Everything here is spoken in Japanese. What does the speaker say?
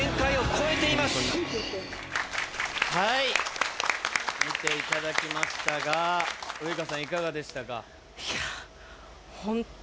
はい見ていただきましたがウイカさんいかがでしたか？